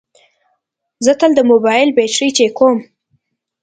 زه تل د موبایل بیټرۍ چیکوم.